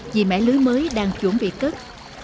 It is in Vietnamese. vì mẻ lưới mới đang chuẩn bị cất